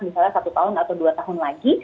misalnya satu tahun atau dua tahun lagi